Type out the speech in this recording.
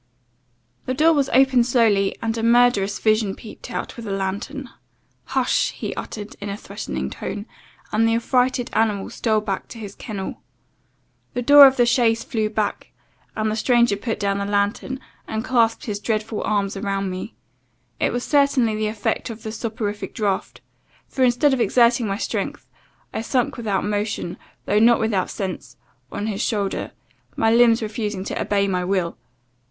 "The door was opened slowly, and a murderous visage peeped out, with a lantern. 'Hush!' he uttered, in a threatning tone, and the affrighted animal stole back to his kennel. The door of the chaise flew back, the stranger put down the lantern, and clasped his dreadful arms around me. It was certainly the effect of the soporific draught, for, instead of exerting my strength, I sunk without motion, though not without sense, on his shoulder, my limbs refusing to obey my will.